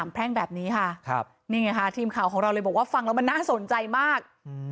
แพร่งแบบนี้ค่ะครับนี่ไงค่ะทีมข่าวของเราเลยบอกว่าฟังแล้วมันน่าสนใจมาก